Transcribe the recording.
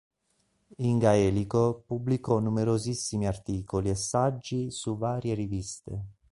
In gaelico pubblicò numerosissimi articoli e saggi su varie riviste.